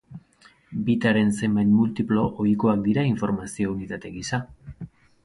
Bit-aren zenbait multiplo ohikoak dira informazio-unitate gisa.